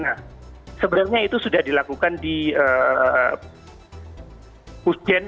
nah sebenarnya itu sudah dilakukan di pusjen